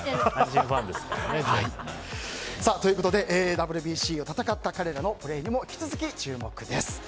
ＷＢＣを戦った彼らのプレーにも引き続き注目です。